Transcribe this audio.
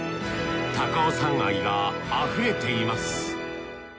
高尾山愛があふれています